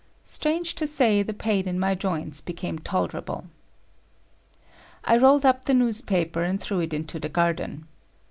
Strange to say, the pain in my joints became tolerable. I rolled up the newspaper and threw it into the garden.